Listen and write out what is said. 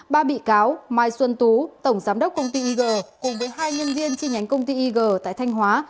ba bị cáo mai xuân tú tổng giám đốc công ty ig cùng với hai nhân viên chi nhánh công ty ig tại thanh hóa